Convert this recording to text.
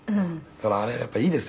「だからあれやっぱりいいです。